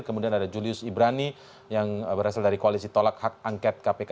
kemudian ada julius ibrani yang berasal dari koalisi tolak hak angket kpk